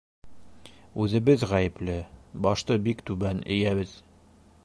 Үҙебеҙ ғәйепле, башты бик түбән эйәбеҙ.